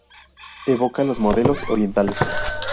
Evoca los modelos orientales.